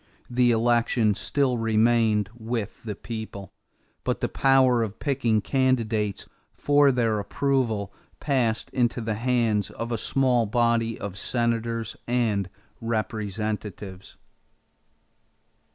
The election still remained with the people; but the power of picking candidates for their approval passed into the hands of a small body of Senators and Representatives.